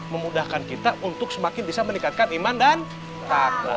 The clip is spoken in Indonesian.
memudahkan kita untuk semakin bisa meningkatkan iman dan tak